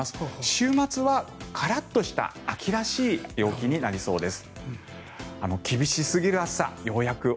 週末はカラッとした秋らしい陽気になりそうです。